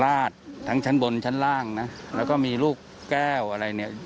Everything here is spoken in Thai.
ลาดทั้งชั้นบนชั้นล่างนะแล้วก็มีลูกแก้วอะไรเนี่ย